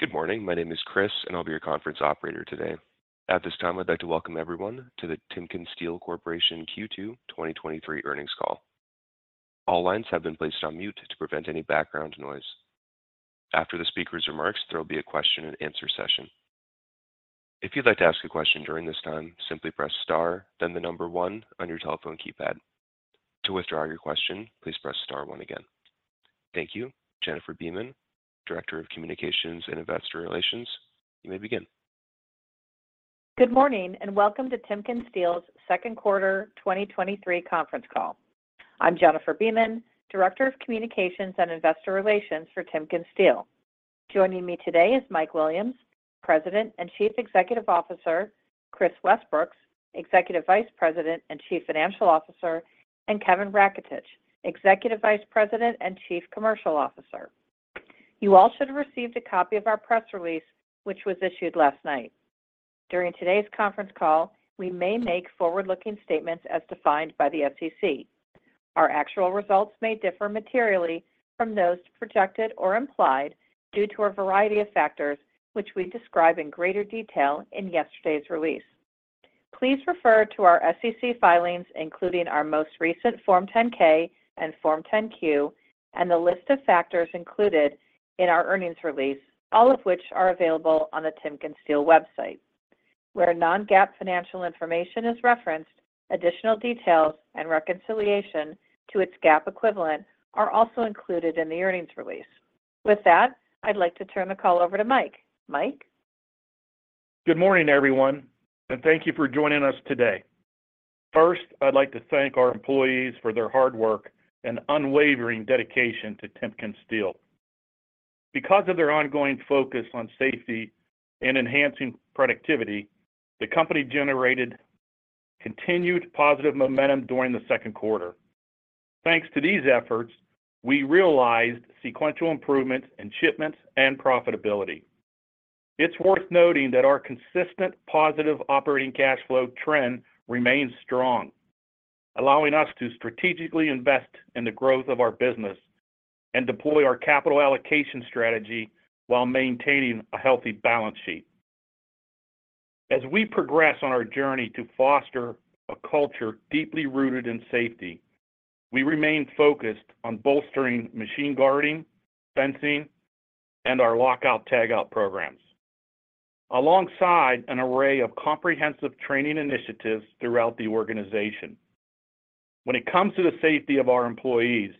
Good morning. My name is Chris, and I'll be your conference operator today. At this time, I'd like to welcome everyone to the TimkenSteel Corporation Q2 2023 earnings call. All lines have been placed on mute to prevent any background noise. After the speaker's remarks, there will be a question and answer session. If you'd like to ask a question during this time, simply press Star, then the number one on your telephone keypad. To withdraw your question, please press Star one again. Thank you. Jennifer Beeman, Director of Communications and Investor Relations, you may begin. Good morning, and welcome to TimkenSteel's second quarter 2023 conference call. I'm Jennifer Beeman, Director of Communications and Investor Relations for TimkenSteel. Joining me today is Mike Williams, President and Chief Executive Officer, Kris Westbrooks, Executive Vice President and Chief Financial Officer, and Kevin Raketich, Executive Vice President and Chief Commercial Officer. You all should have received a copy of our press release, which was issued last night. During today's conference call, we may make forward-looking statements as defined by the SEC. Our actual results may differ materially from those projected or implied due to a variety of factors, which we describe in greater detail in yesterday's release. Please refer to our SEC filings, including our most recent Form 10-K and Form 10-Q, and the list of factors included in our earnings release, all of which are available on the TimkenSteel website. Where non-GAAP financial information is referenced, additional details and reconciliation to its GAAP equivalent are also included in the earnings release. With that, I'd like to turn the call over to Mike. Mike? Good morning, everyone, and thank you for joining us today. First, I'd like to thank our employees for their hard work and unwavering dedication to TimkenSteel. Because of their ongoing focus on safety and enhancing productivity, the company generated continued positive momentum during the second quarter. Thanks to these efforts, we realized sequential improvement in shipments and profitability. It's worth noting that our consistent positive operating cash flow trend remains strong, allowing us to strategically invest in the growth of our business and deploy our capital allocation strategy while maintaining a healthy balance sheet. As we progress on our journey to foster a culture deeply rooted in safety, we remain focused on bolstering machine guarding, fencing, and our lockout/tagout programs, alongside an array of comprehensive training initiatives throughout the organization. When it comes to the safety of our employees,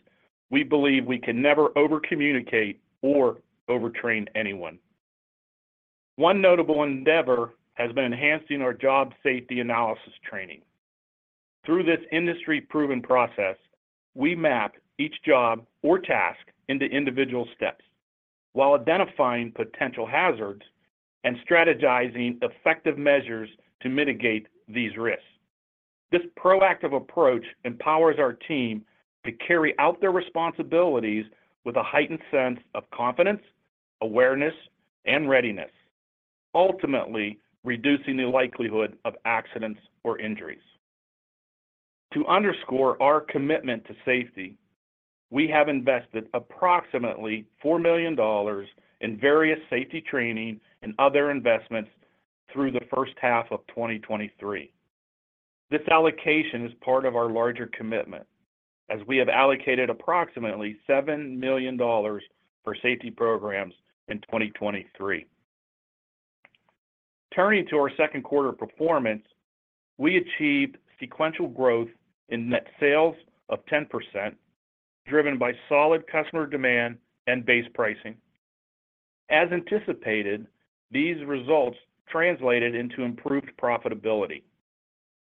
we believe we can never overcommunicate or overtrain anyone. One notable endeavor has been enhancing our job safety analysis training. Through this industry-proven process, we map each job or task into individual steps while identifying potential hazards and strategizing effective measures to mitigate these risks. This proactive approach empowers our team to carry out their responsibilities with a heightened sense of confidence, awareness, and readiness, ultimately reducing the likelihood of accidents or injuries. To underscore our commitment to safety, we have invested approximately $4 million in various safety training and other investments through the first half of 2023. This allocation is part of our larger commitment, as we have allocated approximately $7 million for safety programs in 2023. Turning to our second quarter performance, we achieved sequential growth in net sales of 10%, driven by solid customer demand and base pricing. As anticipated, these results translated into improved profitability.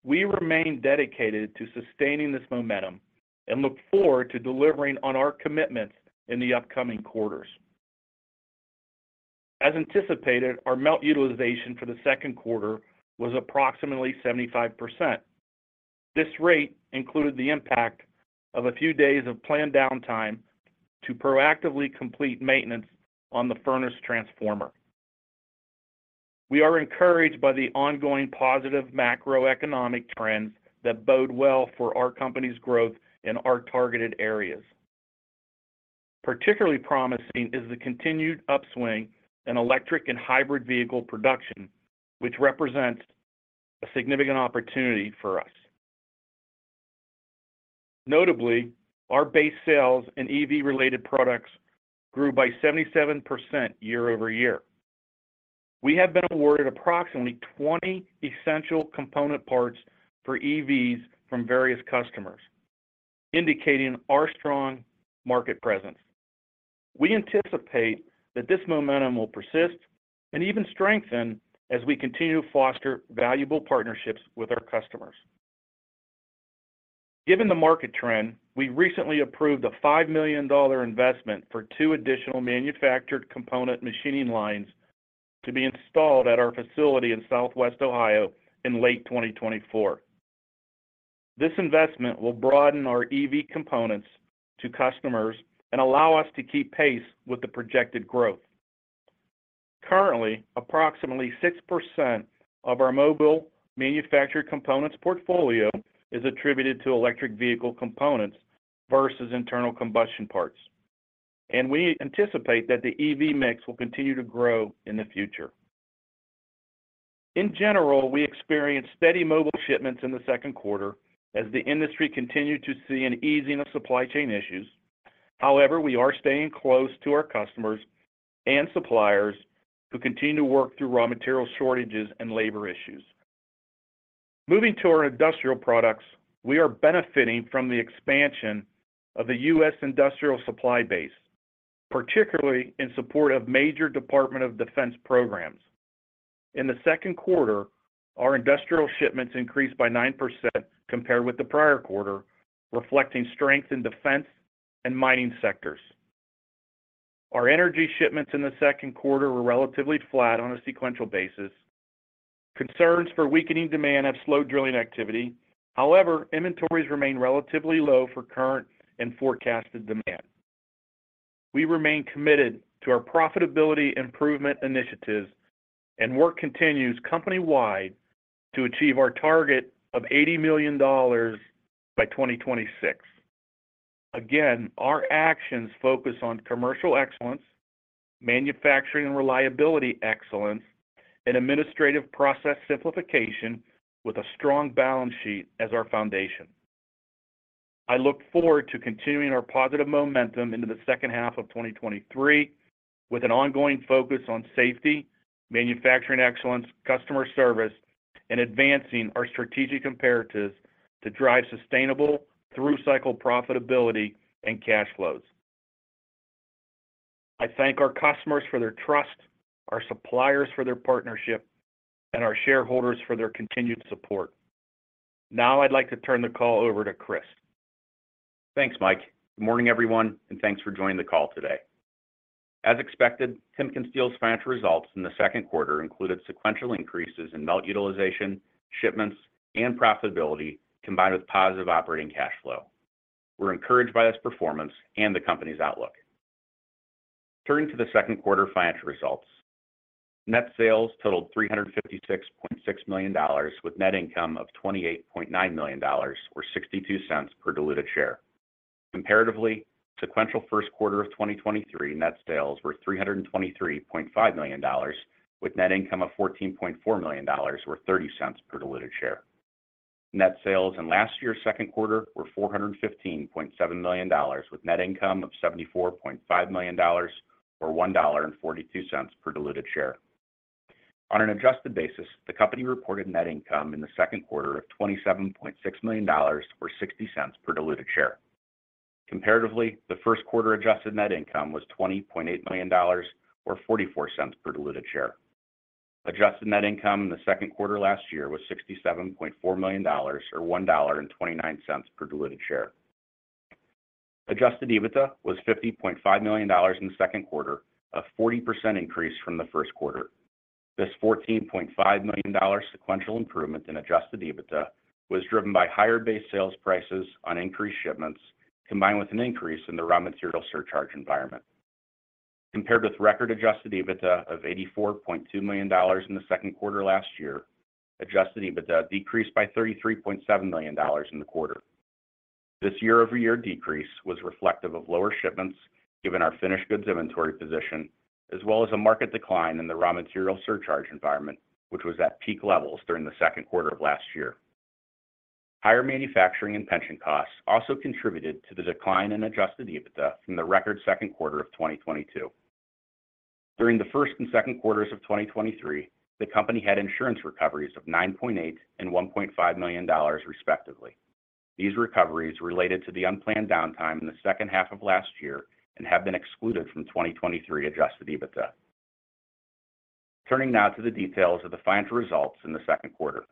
We remain dedicated to sustaining this momentum and look forward to delivering on our commitments in the upcoming quarters. As anticipated, our melt utilization for the second quarter was approximately 75%. This rate included the impact of a few days of planned downtime to proactively complete maintenance on the furnace transformer. We are encouraged by the ongoing positive macroeconomic trends that bode well for our company's growth in our targeted areas. Particularly promising is the continued upswing in electric and hybrid vehicle production, which represents a significant opportunity for us. Notably, our base sales and EV-related products grew by 77% year-over-year. We have been awarded approximately 20 essential component parts for EVs from various customers, indicating our strong market presence. We anticipate that this momentum will persist and even strengthen as we continue to foster valuable partnerships with our customers. Given the market trend, we recently approved a $5 million investment for two additional manufactured component machining lines to be installed at our facility in Southwest Ohio in late 2024. This investment will broaden our EV components to customers and allow us to keep pace with the projected growth. Currently, approximately 6% of our mobile manufactured components portfolio is attributed to electric vehicle components versus internal combustion parts, and we anticipate that the EV mix will continue to grow in the future. In general, we experienced steady mobile shipments in the second quarter as the industry continued to see an easing of supply chain issues. However, we are staying close to our customers and suppliers who continue to work through raw material shortages and labor issues. Moving to our industrial products, we are benefiting from the expansion of the U.S. industrial supply base, particularly in support of major Department of Defense programs. In the second quarter, our industrial shipments increased by 9% compared with the prior quarter, reflecting strength in defense and mining sectors. Our energy shipments in the second quarter were relatively flat on a sequential basis. Concerns for weakening demand have slowed drilling activity. Inventories remain relatively low for current and forecasted demand. We remain committed to our profitability improvement initiatives, work continues company-wide to achieve our target of $80 million by 2026. Again, our actions focus on commercial excellence, manufacturing and reliability excellence, and administrative process simplification with a strong balance sheet as our foundation. I look forward to continuing our positive momentum into the second half of 2023, with an ongoing focus on safety, manufacturing excellence, customer service, and advancing our strategic imperatives to drive sustainable through-cycle profitability and cash flows. I thank our customers for their trust, our suppliers for their partnership, and our shareholders for their continued support. I'd like to turn the call over to Kris. Thanks, Mike. Good morning, everyone, and thanks for joining the call today. As expected, TimkenSteel's financial results in the 2Q included sequential increases in melt utilization, shipments, and profitability, combined with positive operating cash flow. We're encouraged by this performance and the company's outlook. Turning to the 2Q financial results. Net sales totaled $356.6 million, with net income of $28.9 million, or $0.62 per diluted share. Comparatively, sequential 1Q 2023 net sales were $323.5 million, with net income of $14.4 million, or $0.30 per diluted share. Net sales in last year's second were $415.7 million, with net income of $74.5 million or $1.42 per diluted share. On an adjusted basis, the company reported net income in the second quarter of $27.6 million, or $0.60 per diluted share. Comparatively, the first quarter adjusted net income was $20.8 million, or $0.44 per diluted share. Adjusted net income in the second quarter last year was $67.4 million, or $1.29 per diluted share. Adjusted EBITDA was $50.5 million in the second quarter, a 40% increase from the first quarter. This $14.5 million sequential improvement in adjusted EBITDA was driven by higher base sales prices on increased shipments, combined with an increase in the raw material surcharge environment. Compared with record adjusted EBITDA of $84.2 million in the second quarter last year, adjusted EBITDA decreased by $33.7 million in the quarter. This year-over-year decrease was reflective of lower shipments, given our finished goods inventory position, as well as a market decline in the raw material surcharge environment, which was at peak levels during the second quarter of last year. Higher manufacturing and pension costs also contributed to the decline in adjusted EBITDA from the record second quarter of 2022. During the first and second quarters of 2023, the company had insurance recoveries of $9.8 million and $1.5 million, respectively. These recoveries related to the unplanned downtime in the second half of last year and have been excluded from 2023 adjusted EBITDA. Turning now to the details of the financial results in the second quarter.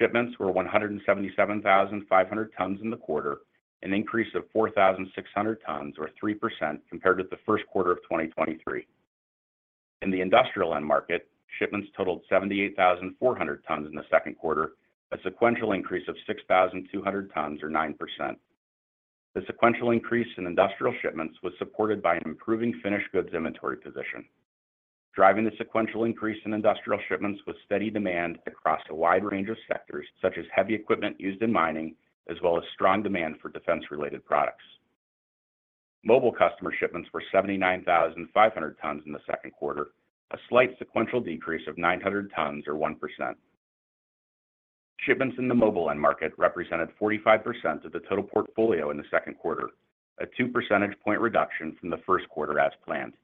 Shipments were 177,500 tons in the quarter, an increase of 4,600 tons or 3% compared with the first quarter of 2023. In the industrial end market, shipments totaled 78,400 tons in the second quarter, a sequential increase of 6,200 tons, or 9%. The sequential increase in industrial shipments was supported by an improving finished goods inventory position. Driving the sequential increase in industrial shipments was steady demand across a wide range of sectors, such as heavy equipment used in mining, as well as strong demand for defense-related products. Mobile customer shipments were 79,500 tons in the second quarter, a slight sequential decrease of 900 tons, or 1%. Shipments in the mobile end market represented 45% of the total portfolio in the second quarter, a 2-percentage point reduction from the first quarter as planned.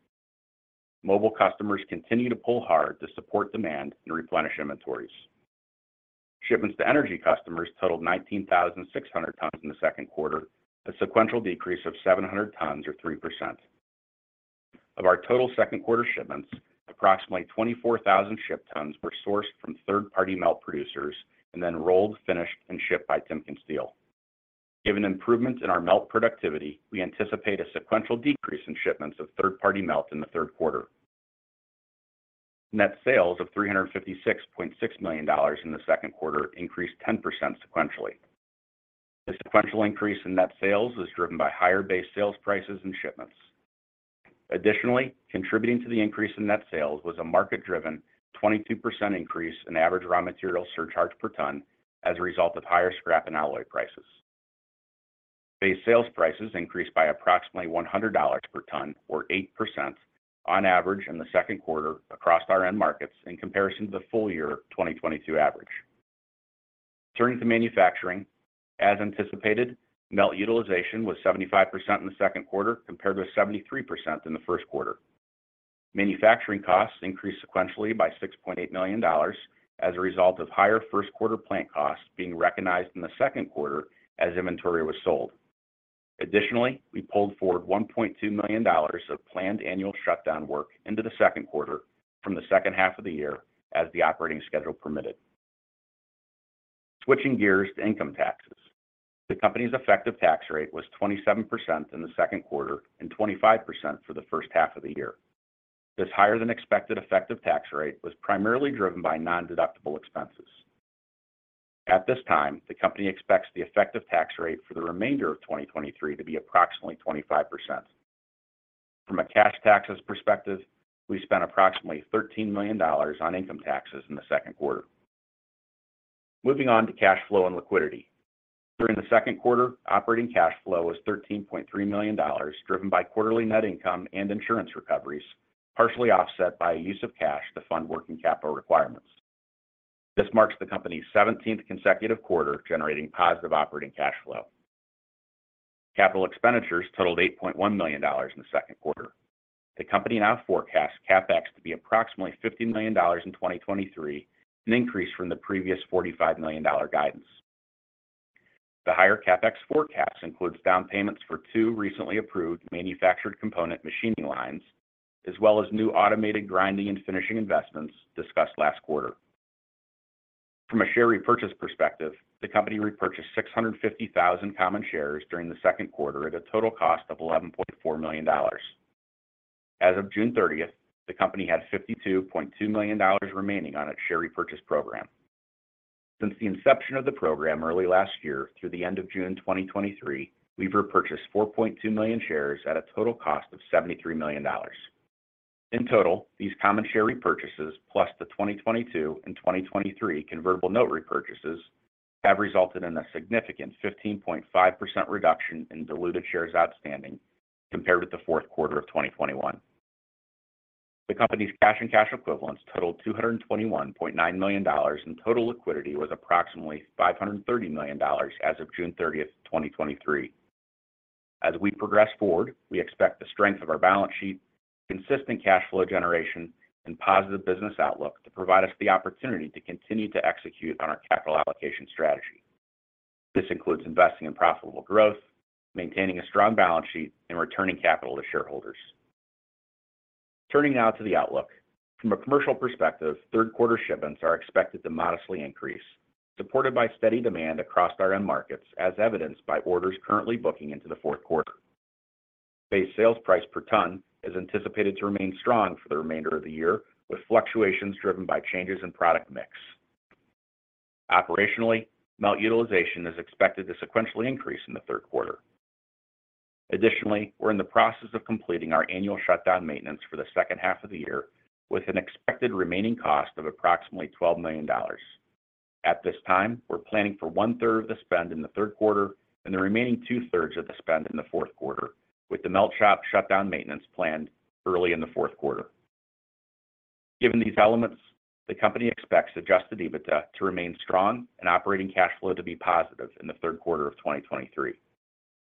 Mobile customers continue to pull hard to support demand and replenish inventories. Shipments to energy customers totaled 19,600 tons in the second quarter, a sequential decrease of 700 tons, or 3%. Of our total second quarter shipments, approximately 24,000 shipped tons were sourced from third-party melt producers and then rolled, finished, and shipped by TimkenSteel. Given improvements in our melt productivity, we anticipate a sequential decrease in shipments of third-party melt in the third quarter. Net sales of $356.6 million in the second quarter increased 10% sequentially. The sequential increase in net sales was driven by higher base sales prices and shipments. Additionally, contributing to the increase in net sales was a market-driven 22% increase in average raw material surcharge per ton as a result of higher scrap and alloy prices. Base sales prices increased by approximately $100 per ton, or 8% on average in the second quarter across our end markets in comparison to the full-year, 2022 average. Turning to manufacturing, as anticipated, melt utilization was 75% in the second quarter, compared with 73% in the first quarter. Manufacturing costs increased sequentially by $6.8 million as a result of higher first quarter plant costs being recognized in the second quarter as inventory was sold. Additionally, we pulled forward $1.2 million of planned annual shutdown work into the second quarter from the second half of the year as the operating schedule permitted. Switching gears to income taxes. The company's effective tax rate was 27% in the second quarter and 25% for the first half of the year. This higher-than-expected effective tax rate was primarily driven by nondeductible expenses. At this time, the company expects the effective tax rate for the remainder of 2023 to be approximately 25%. From a cash taxes perspective, we spent approximately $13 million on income taxes in the second quarter. Moving on to cash flow and liquidity. During the second quarter, operating cash flow was $13.3 million, driven by quarterly net income and insurance recoveries, partially offset by use of cash to fund working capital requirements. This marks the company's 17th consecutive quarter, generating positive operating cash flow. Capital expenditures totaled $8.1 million in the second quarter. The company now forecasts CapEx to be approximately $50 million in 2023, an increase from the previous $45 million guidance. The higher CapEx forecast includes down payments for two recently approved manufactured component machining lines, as well as new automated grinding and finishing investments discussed last quarter. From a share repurchase perspective, the company repurchased 650,000 common shares during the second quarter at a total cost of $11.4 million. As of June 30th, the company had $52.2 million remaining on its share repurchase program. Since the inception of the program early last year through the end of June 2023, we've repurchased 4.2 million shares at a total cost of $73 million. In total, these common share repurchases, plus the 2022 and 2023 convertible note repurchases, have resulted in a significant 15.5% reduction in diluted shares outstanding compared with the fourth quarter of 2021. The company's cash and cash equivalents totaled $221.9 million, and total liquidity was approximately $530 million as of June 30th, 2023. As we progress forward, we expect the strength of our balance sheet, consistent cash flow generation, and positive business outlook to provide us the opportunity to continue to execute on our capital allocation strategy. This includes investing in profitable growth, maintaining a strong balance sheet, and returning capital to shareholders. Turning now to the outlook. From a commercial perspective, third quarter shipments are expected to modestly increase, supported by steady demand across our end markets, as evidenced by orders currently booking into the fourth quarter. Base sales price per ton is anticipated to remain strong for the remainder of the year, with fluctuations driven by changes in product mix. Operationally, melt utilization is expected to sequentially increase in the third quarter. Additionally, we're in the process of completing our annual shutdown maintenance for the second half of the year, with an expected remaining cost of approximately $12 million. At this time, we're planning for one third of the spend in the third quarter and the remaining two thirds of the spend in the fourth quarter, with the melt shop shutdown maintenance planned early in the fourth quarter. Given these elements, the company expects adjusted EBITDA to remain strong and operating cash flow to be positive in the third quarter of 2023.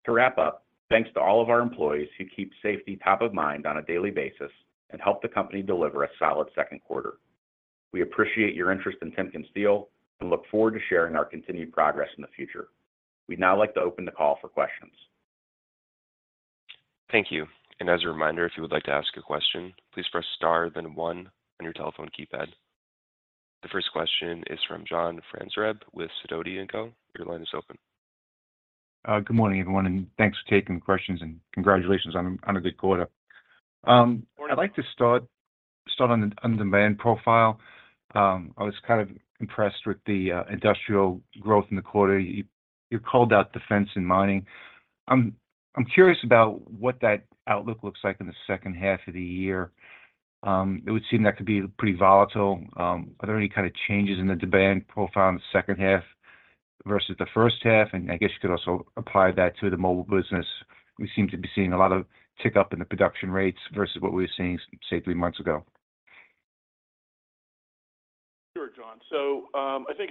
To wrap up, thanks to all of our employees who keep safety top of mind on a daily basis and help the company deliver a solid second quarter. We appreciate your interest in TimkenSteel and look forward to sharing our continued progress in the future. We'd now like to open the call for questions. Thank you. As a reminder, if you would like to ask a question, please press Star, then One on your telephone keypad. The first question is from John Franzreb with Sidoti & Company. Your line is open. Good morning, everyone, and thanks for taking the questions, and congratulations on a, on a good quarter. Good morning. I'd like to start, start on the demand profile. I was kind of impressed with the industrial growth in the quarter. You called out defense and mining. I'm curious about what that outlook looks like in the second half of the year. It would seem that could be pretty volatile. Are there any kind of changes in the demand profile in the second half versus the first half? I guess you could also apply that to the mobile business. We seem to be seeing a lot of tick up in the production rates versus what we were seeing, say, three months ago. Sure, John. I think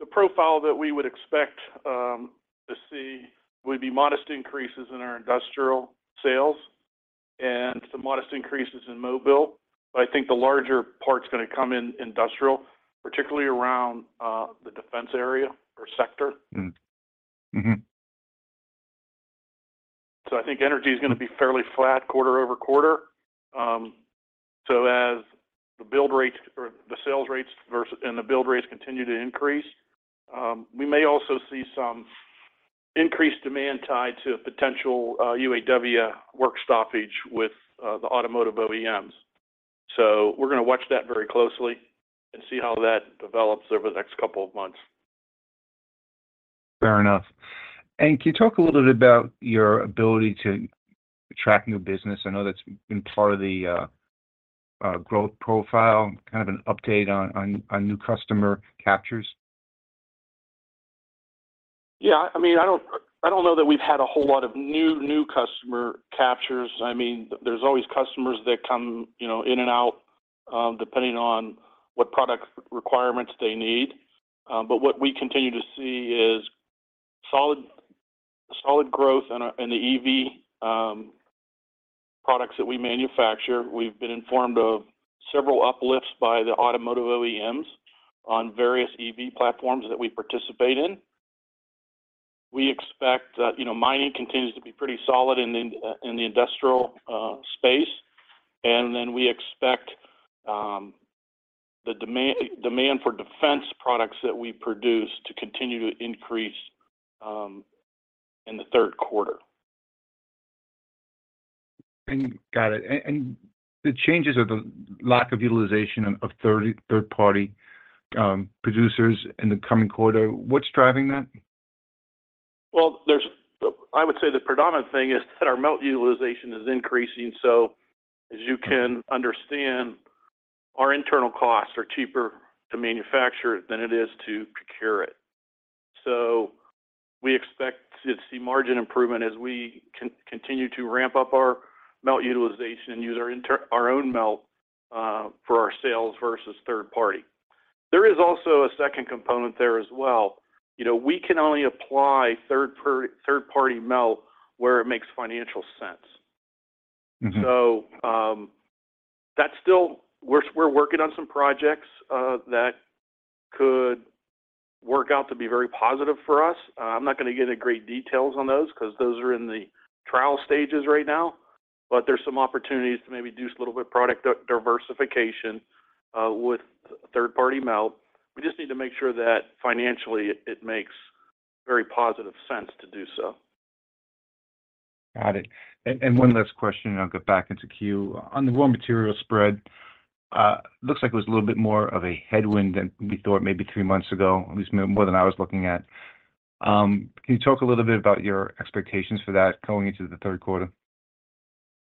the profile that we would expect to see would be modest increases in our industrial sales and some modest increases in mobile. I think the larger part is going to come in industrial, particularly around the defense area or sector. Mm-hmm. Mm-hmm. I think energy is going to be fairly flat quarter-over-quarter. As the build rates or the sales rates and the build rates continue to increase, we may also see some increased demand tied to a potential UAW work stoppage with the automotive OEMs. We're gonna watch that very closely and see how that develops over the next couple of months. Fair enough. Can you talk a little bit about your ability to track new business? I know that's been part of the growth profile, kind of an update on new customer captures. Yeah. I mean, I don't, I don't know that we've had a whole lot of new, new customer captures. I mean, there's always customers that come, you know, in and out, depending on what product requirements they need. What we continue to see is solid, solid growth in our- in the EV products that we manufacture. We've been informed of several uplifts by the automotive OEMs on various EV platforms that we participate in. We expect that, you know, mining continues to be pretty solid in the industrial space, and then we expect the demand, demand for Defense products that we produce to continue to increase in the third quarter. Got it. The changes or the lack of utilization of third-party producers in the coming quarter, what's driving that? Well, there's I would say the predominant thing is that our melt utilization is increasing. As you can understand, our internal costs are cheaper to manufacture than it is to procure it. We expect to see margin improvement as we continue to ramp up our melt utilization and use our own melt for our sales versus third party. There is also a second component there as well. You know, we can only apply third-party melt where it makes financial sense. Mm-hmm. That's still. We're working on some projects that could work out to be very positive for us. I'm not going to get into great details on those, because those are in the trial stages right now, but there are some opportunities to maybe do a little bit of product diversification with third-party melt. We just need to make sure that financially it makes very positive sense to do so. Got it. One last question, and I'll get back into queue. On the raw material spread, looks like it was a little bit more of a headwind than we thought maybe 3 months ago, at least more than I was looking at. Can you talk a little bit about your expectations for that going into the 3rd quarter?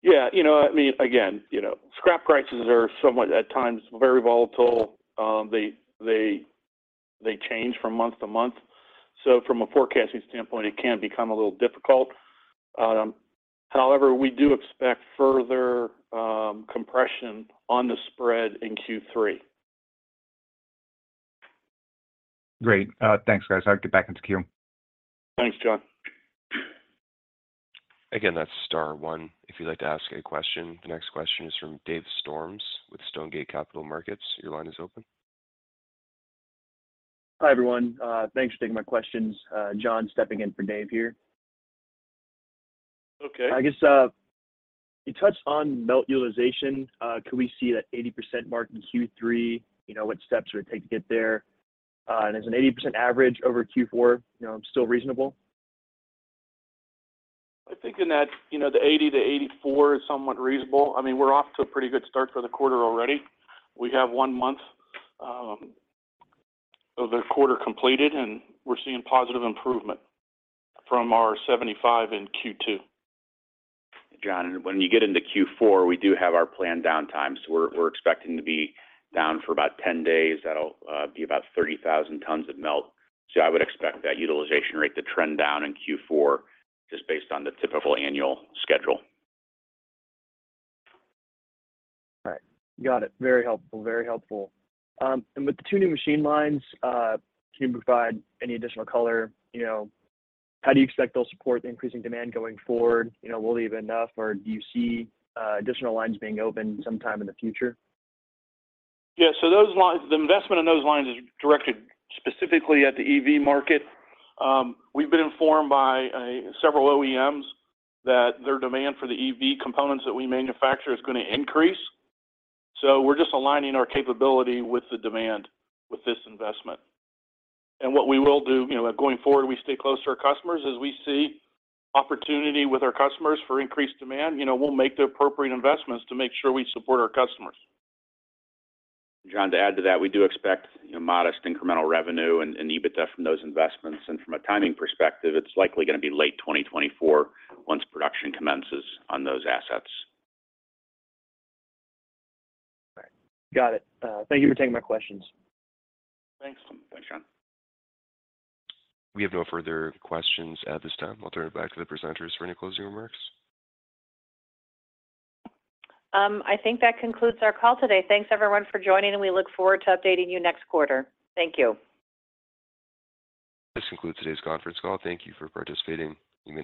Yeah. You know, I mean, again, you know, scrap prices are somewhat, at times, very volatile. They, they, they change from month to month. From a forecasting standpoint, it can become a little difficult. However, we do expect further compression on the spread in Q3. Great. thanks, guys. I'll get back into queue. Thanks, John. Again, that's star one if you'd like to ask a question. The next question is from Dave Storms with Stonegate Capital Markets. Your line is open. Hi, everyone. Thanks for taking my questions. John, stepping in for Dave here. Okay. I guess, you touched on melt utilization. Could we see that 80% mark in Q3? You know, what steps would it take to get there? Is an 80 average over Q4, you know, still reasonable? I think in that, you know, the $80-84 is somewhat reasonable. I mean, we're off to a pretty good start for the quarter already. We have one month of the quarter completed, and we're seeing positive improvement from our $75 in Q2. John, when you get into Q4, we do have our planned downtime, so we're expecting to be down for about 10 days. That'll be about 30,000 tons of melt. I would expect that utilization rate to trend down in Q4, just based on the typical annual schedule. All right. Got it. Very helpful, very helpful. With the two new machine lines, can you provide any additional color? You know, how do you expect they'll support the increasing demand going forward? You know, will it be enough, or do you see additional lines being opened sometime in the future? Yeah. The investment in those lines is directed specifically at the EV market. We've been informed by several OEMs that their demand for the EV components that we manufacture is going to increase. We're just aligning our capability with the demand with this investment. What we will do, you know, going forward, we stay close to our customers. As we see opportunity with our customers for increased demand, you know, we'll make the appropriate investments to make sure we support our customers. John, to add to that, we do expect, you know, modest incremental revenue and EBITDA from those investments, and from a timing perspective, it's likely gonna be late 2024, once production commences on those assets. All right. Got it. Thank you for taking my questions. Thanks. Thanks, John. We have no further questions at this time. I'll turn it back to the presenters for any closing remarks. I think that concludes our call today. Thanks, everyone, for joining, and we look forward to updating you next quarter. Thank you. This concludes today's conference call. Thank you for participating.